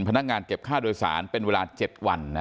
พนักงานเก็บค่าโดยสารเป็นเวลา๗วัน